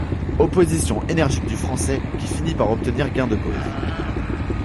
Opposition énergique du Français, qui finit par obtenir gain de cause.